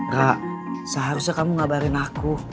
gak seharusnya kamu ngabarin aku